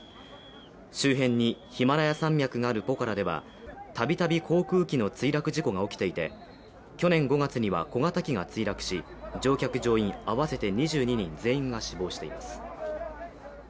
周辺にヒマラヤ山脈があるポカラではたびたび航空機の墜落事故が起きていて去年５月には、小型機が墜落し乗客・乗員合わせて２２人全員が死亡しています。